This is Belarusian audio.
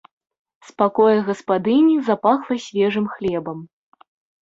З пакоя гаспадыні запахла свежым хлебам.